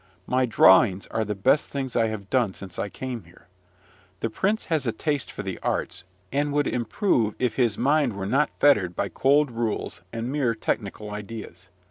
My drawings are the best things I have done since I came here. The prince has a taste for the arts, and would improve if his mind were not fettered by cold rules and mere technical ideas.